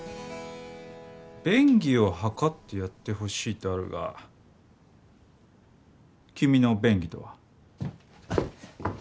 「便宜を図ってやってほしい」とあるが君の「便宜」とは？